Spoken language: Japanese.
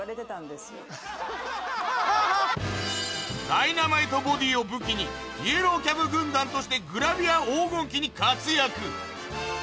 ダイナマイトボディーを武器にイエローキャブ軍団としてグラビア黄金期に活躍